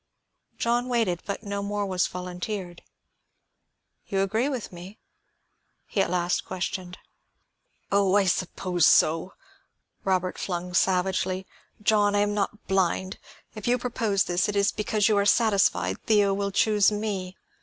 John waited, but no more was volunteered. "You agree with me?" he at last questioned. "Oh, I suppose so!" Robert flung savagely. "John, I am not blind; if you propose this, it is because you are satisfied Theo will choose me.